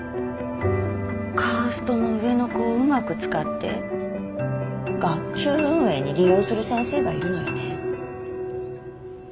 カーストの上の子をうまく使って学級運営に利用する先生がいるのよね。